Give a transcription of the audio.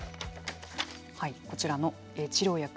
こちらの治療薬。